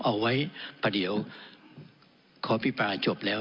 เอาไว้ประเดี๋ยวขอพิปรายจบแล้ว